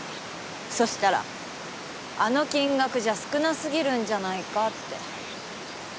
そうしたらあの金額じゃ少なすぎるんじゃないかって。